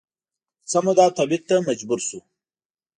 څه موده تبعید ته مجبور شو